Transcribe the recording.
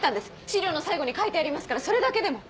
資料の最後に書いてありますからそれだけでも。